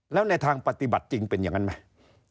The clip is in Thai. แล้วในทางปฏิบัติจริงเป็นอย่างนั้นไหม